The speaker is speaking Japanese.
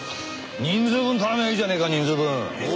人数分頼めばいいじゃねえか人数分。